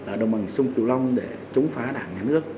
ở đồng bằng sông kiều long để chống phá đảng nhà nước